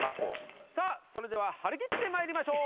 さあそれでは張り切って参りましょう！